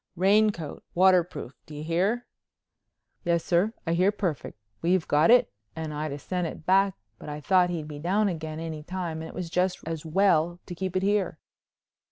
Raincoat, waterproof. Do you hear?" "Yes sir, I hear perfect. We've got it and I'd 'a' sent it back but I thought he'd be down again any time and it was just as well to keep it here."